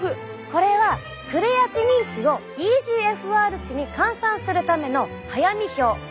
これはクレアチニン値をｅＧＦＲ値に換算するための早見表。